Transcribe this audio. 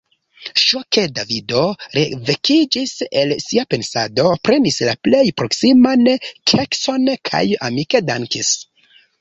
Ŝoke Davido revekiĝis el sia pensado, prenis la plej proksiman kekson kaj amike dankis.